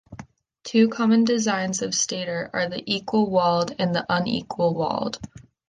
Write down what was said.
Two common designs of stator are the "equal-walled" and the "unequal-walled".